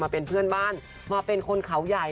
เป็นเพื่อนบ้านมาเป็นคนเขาใหญ่